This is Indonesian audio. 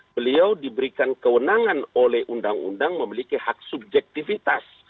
beliau diberikan kewenangan oleh undang undang memiliki hak subjektivitas